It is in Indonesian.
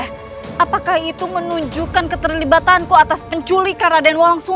sampai jumpa di video selanjutnya